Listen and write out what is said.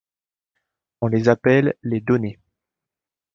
On les appelle les Donnés.